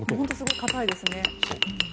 すごく硬いですね。